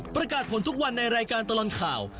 ประกาศผลทุกวันในรายการตลอดข่าว